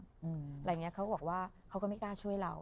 อะไรอย่างนี้เขาก็บอกว่าเขาก็ไม่กล้าช่วยเรา